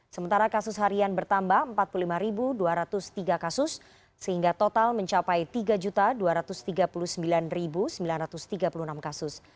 sementara kasus harian bertambah empat puluh lima dua ratus tiga kasus sehingga total mencapai tiga dua ratus tiga puluh sembilan sembilan ratus tiga puluh enam kasus